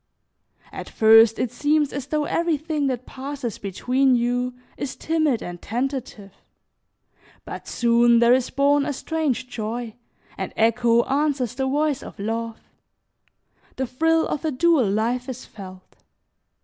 At first it seems as though everything that passes between you is timid and tentative, but soon there is born a strange joy, and echo answers the voice of love; the thrill of a dual life is felt.